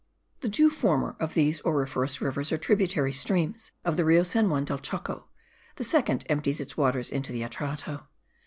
The two former of these auriferous rivers are tributary streams of the Rio San Juan del Choco; the second empties its waters into the Atrato.